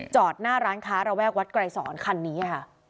จอดหน้าร้านค้าระแวกวัดไกรสอนคันนี้ค่ะ